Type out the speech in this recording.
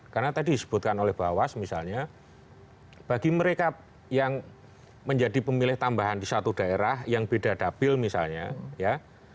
karena tadi disebutkan oleh bawas misalnya bagi mereka yang menjadi pemilih tambahan di satu daerah yang beda dapil misalnya ya